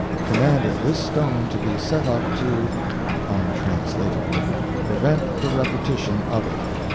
commanded this stone to be set up to ... (untranslatable) ... prevent the repetition of it."